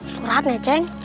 surat nih ceng